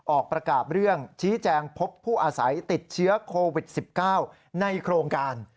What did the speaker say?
ออกประกาศเรื่องชี้แจงพบผู้อาศัยติดเชื้อโควิด๑๙ในโครงการ